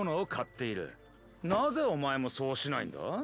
なぜおまえもそうしないんだ？